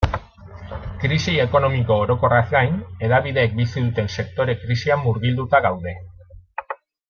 Krisi ekonomiko orokorraz gain, hedabideek bizi duten sektore-krisian murgilduta gaude.